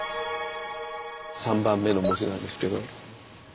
３番目の文字なんですけど。